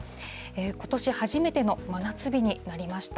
ことし初めての真夏日になりました。